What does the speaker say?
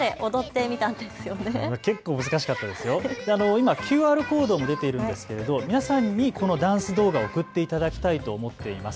今ＱＲコードも出ているんですけど皆さんにこのダンス動画を送っていただきたいと思っています。